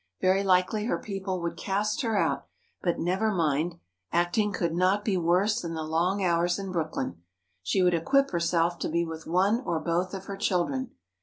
Very likely her people would cast her out, but never mind. Acting could not be worse than the long hours in Brooklyn. She would equip herself to be with one or both of her children.